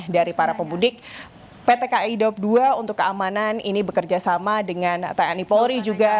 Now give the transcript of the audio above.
dari para pemudik pt kai daup dua untuk keamanan ini bekerja sama dengan tni polri juga